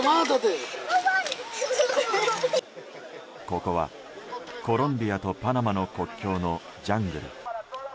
ここは、コロンビアとパナマの国境のジャングル。